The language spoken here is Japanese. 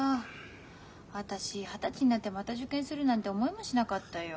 私二十歳になってまた受験するなんて思いもしなかったよ。